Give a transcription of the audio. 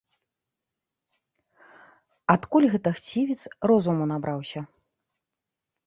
Адкуль гэта хцівец розуму набраўся?